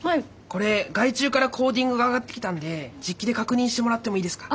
これ外注からコーディングが上がってきたんで実機で確認してもらってもいいですか？